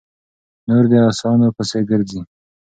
نور دې اسانو پسې ګرځي؛